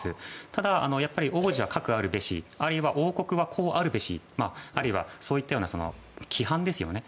ただ、王者かくあるべしあるいは王国はこうあるべしあるいはそういった規範ですよね